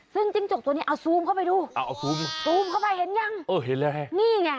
ซึ่งจิ้งจกตัวนี้เอาซูมเข้าไปดูเห็นยังนี่ไง